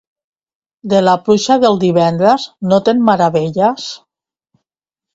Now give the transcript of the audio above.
De la pluja del divendres, no te'n meravelles.